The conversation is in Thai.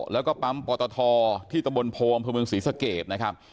แล้วก็ปั๊มปอตทที่ตะบนโพอำเภอเมืองศรีสะเกดนะครับ